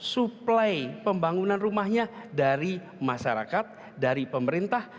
suplai pembangunan rumahnya dari masyarakat dari pemerintah